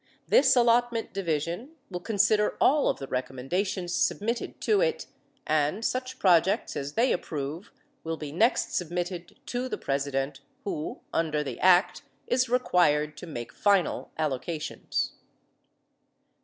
This Allotment Division will consider all of the recommendations submitted to it and such projects as they approve will be next submitted to the President who under the Act is required to make final allocations.